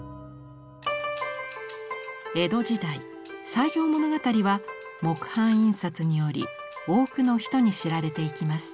江戸時代「西行物語」は木版印刷により多くの人に知られていきます。